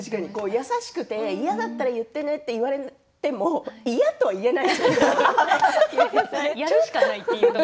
優しくて、嫌だったら言ってねと言われても嫌とは言えないですよね。